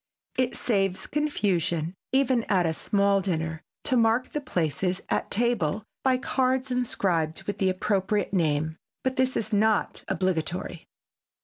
It saves confusion even at a small dinner to mark the places at table by cards inscribed with the appropriate name, but this is not obligatory.